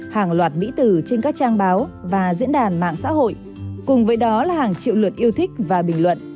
hàng loạt mỹ tử trên các trang báo và diễn đàn mạng xã hội cùng với đó là hàng triệu lượt yêu thích và bình luận